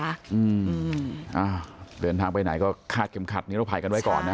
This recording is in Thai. อืมอ้าวเดินทางไปไหนก็คาดเข็มขัดนี่เราผ่ายกันไว้ก่อนนะ